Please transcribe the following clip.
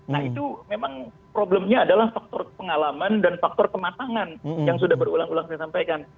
nah itu memang problemnya adalah faktor pengalaman dan faktor kematangan yang sudah berulang ulang saya sampaikan